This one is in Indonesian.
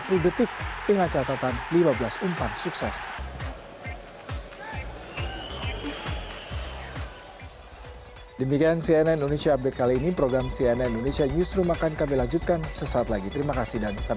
dan tiga puluh detik dengan catatan lima belas umpan sukses